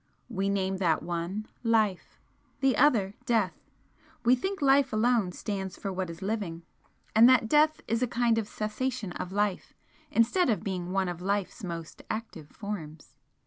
We name that one Life, the other Death. We think Life alone stands for what is living, and that Death is a kind of cessation of Life instead of being one of Life's most active forms.